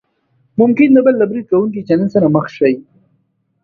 ممکن د بل له برید کوونکي چلند سره مخ شئ.